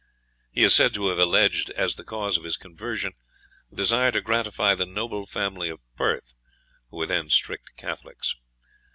He is said to have alleged as the cause of his conversion, a desire to gratify the noble family of Perth, who were then strict Catholics.